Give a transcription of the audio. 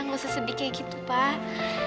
nggak usah sedih kayak gitu pak